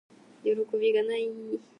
よろこびがない～